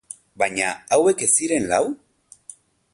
Baina hauek ez ziren lau?